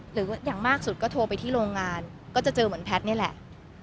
อย่างมากสุดก็โทรไปที่โรงงานก็จะเจอเหมือนแพทย์นี่แหละ